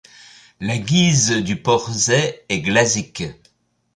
La guise du Porzay est glazik.